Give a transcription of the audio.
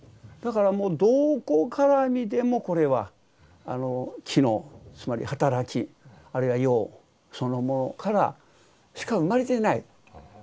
だからどこから見てもこれは機能つまり働きあるいは用そのものからしか生まれてない。